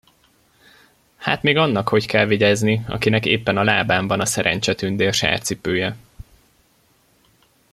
Hát még annak hogy kell vigyázni, akinek éppen a lábán van a Szerencsetündér sárcipője!